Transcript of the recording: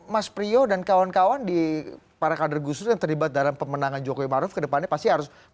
mas priyo dan kawan kawan di para kader gusdur yang terlibat dalam pemenangan jokowi ma'ruf kedepannya pasti harus berbicara